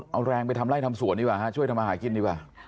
เอาแรงไปทำไล่ทำสวนดีกว่าฮะช่วยทำอาหารกินดีกว่า